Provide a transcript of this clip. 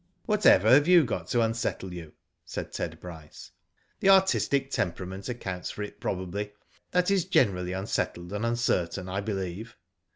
"Whatever have you got to unsettle you?" said Ted Bryce. " The artistic temperament accounts for it, probably. That is generally unsettled and uncertain, I believe."